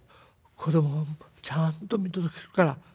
子供をちゃんと見届けるから。